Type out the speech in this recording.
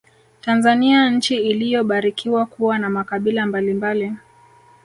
Tanzania nchi iliyobarikiwa kuwa na makabila mbalimbali